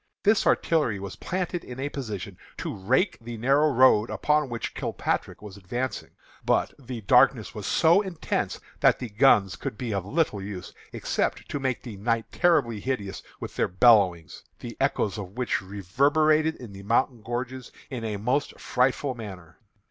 This artillery was planted in a position to rake the narrow road upon which Kilpatrick was advancing. But the darkness was so intense that the guns could be of little use, except to make the night terribly hideous with their bellowings, the echoes of which reverberated in the mountain gorges in a most frightful manner.